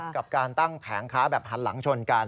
กับการตั้งแผงค้าแบบหันหลังชนกัน